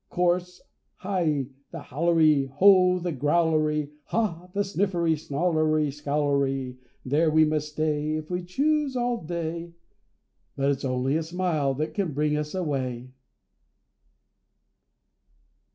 Chorus.—Hi! the Howlery! ho! the Growlery! Ha! the Sniffery, Snarlery, Scowlery! There we may stay, If we choose, all day; But it's only a smile that can bring us away.